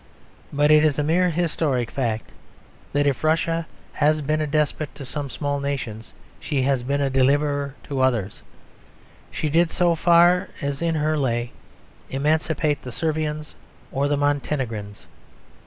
But it is a mere historic fact, that if Russia has been a despot to some small nations, she has been a deliverer to others. She did, so far as in her lay, emancipate the Servians or the Montenegrins.